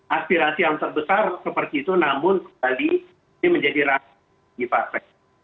aspirasi yang terbesar seperti itu namun sekali ini menjadi rapat majelis tinggi partai